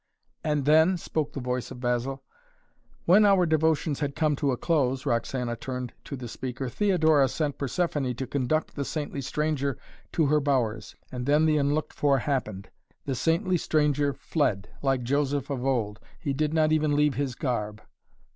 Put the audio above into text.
"And then?" spoke the voice of Basil. "When our devotions had come to a close," Roxana turned to the speaker, "Theodora sent Persephoné to conduct the saintly stranger to her bowers. And then the unlooked for happened. The saintly stranger fled, like Joseph of old. He did not even leave his garb."